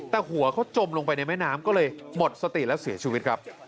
แต่หัวเขาจมลงไปในแม่น้ำก็เลยหมดสติและเสียชีวิตครับ